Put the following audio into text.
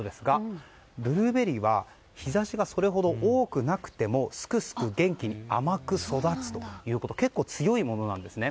ブルーベリーは日差しがそれほど多くなくてもすくすく元気に、甘く育つということで結構強いものなんですね。